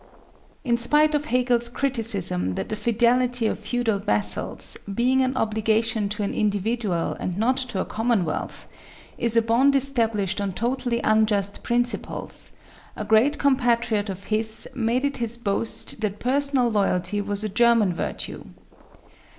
In spite of Hegel's criticism that the fidelity of feudal vassals, being an obligation to an individual and not to a Commonwealth, is a bond established on totally unjust principles, a great compatriot of his made it his boast that personal loyalty was a German virtue.